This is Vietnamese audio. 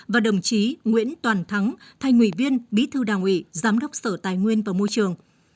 và đồng chí nguyễn toàn thắng thành ủy viên bí thư đảng ủy giám đốc sở tài nguyên và môi trường